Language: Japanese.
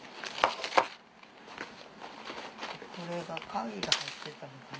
これが鍵が入ってたんかな？